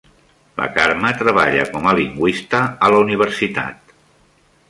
La Carme treballa com a lingüista a la universitat.